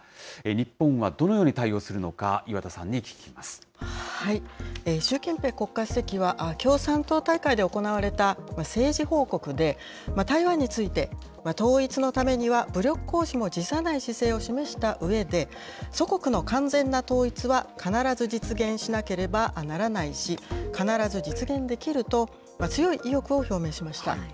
日本はどのように対応するのか、習近平国家主席は、共産党大会で行われた政治報告で、台湾について、統一のためには武力行使も辞さない姿勢を示したうえで、祖国の完全な統一は必ず実現しなければならないし、必ず実現できると、強い意欲を表明しました。